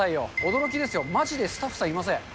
驚きですよ、まじでスタッフさんいません。